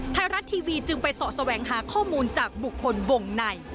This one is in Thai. ไทยรัฐทีวีจึงไปเสาะแสวงหาข้อมูลจากบุคคลวงใน